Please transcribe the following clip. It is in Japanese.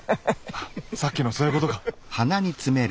さっきのそういうことか！